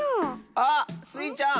あっスイちゃん！